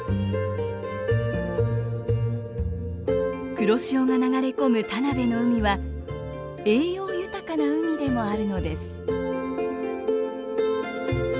黒潮が流れ込む田辺の海は栄養豊かな海でもあるのです。